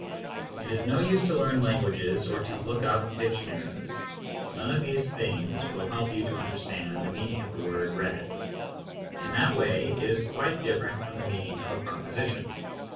It is no use to learn languages, or to look up dictionaries. None of these things will help you to understand the mean ing of the word "red." In that way it is quite different from the meaning of a proposition.